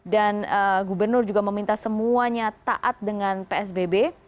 dan gubernur juga meminta semuanya taat dengan psbb